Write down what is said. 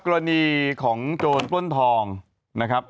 กรณีของโจรปล้นทองนะครับ